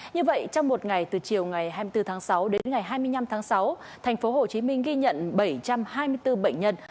như vậy trong một ngày từ chiều ngày hai mươi bốn tháng sáu đến ngày hai mươi năm tháng sáu thành phố hồ chí minh ghi nhận bảy trăm hai mươi bốn bệnh nhân